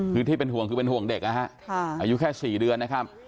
คือที่เป็นห่วงคือเป็นห่วงเด็กนะฮะอายุแค่๔เดือนนะครับ